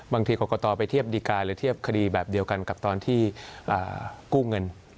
บางทีกรกตไปเทียบดีการ์หรือเทียบคดีแบบเดียวกันกับตอนที่กู้เงิน